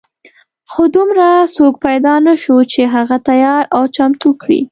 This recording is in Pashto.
خو دومره څوک پیدا نه شو چې هغه تیار او چمتو کړي.